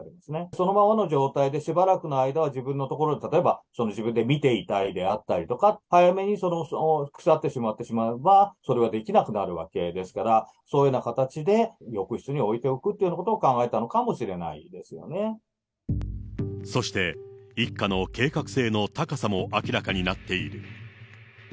そのままの状態でしばらくの間は自分の所で、例えば自分で見ていたいであったりとか、早めに腐ってしまえば、それはできなくなるわけですから、そのような形で浴室に置いておくということを考えたのかもしれなそして、一家の計画性の高さも明らかになっている。